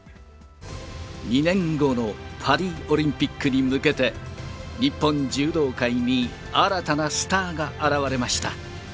２年後のパリオリンピックに向けて、日本柔道界に新たなスターが現れました。